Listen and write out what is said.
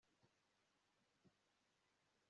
Gusomana byoherejwe nukuboko kwabana